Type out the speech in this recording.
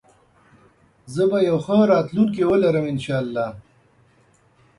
زه به يو ښه راتلونکي ولرم انشاالله